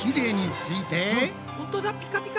ほんとだピカピカ。